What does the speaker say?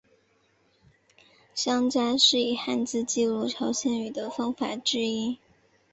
乡札是以汉字记录朝鲜语的方法之一。